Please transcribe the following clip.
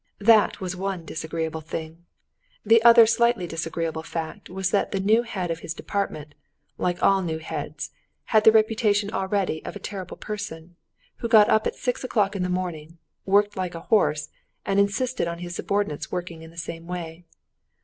That was one disagreeable thing. The other slightly disagreeable fact was that the new head of his department, like all new heads, had the reputation already of a terrible person, who got up at six o'clock in the morning, worked like a horse, and insisted on his subordinates working in the same way.